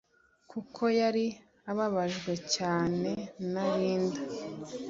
kuko yari ababajwe cyane na Linda